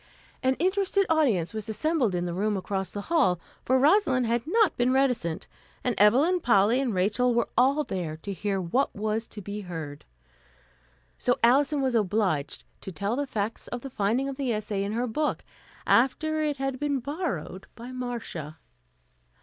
An interested audience was assembled in the room across the hall, for Rosalind had not been reticent, and Evelyn, Polly and Rachel were all there to hear what was to be heard. So Alison was obliged to tell the facts of the finding of the essay in her book after it had been borrowed by Marcia.